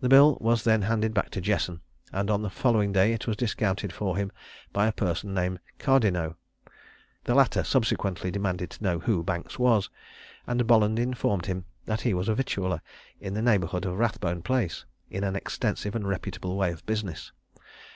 The bill was then handed back to Jesson; and on the following day it was discounted for him by a person named Cardineaux. The latter subsequently demanded to know who Banks was; and Bolland informed him that he was a victualler in the neighbourhood of Rathbone Place, in an extensive and reputable way of business.